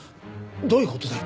どういう事だ？